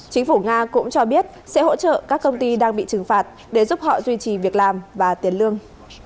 chính phủ nga cũng cho biết sẽ hỗ trợ các công ty đang bị trừng phạt để giúp họ duy trì việc làm và tiền lương